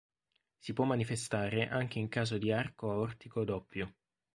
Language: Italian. Si può manifestare anche in caso di arco aortico doppio.